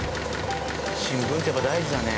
新聞ってやっぱ大事だね。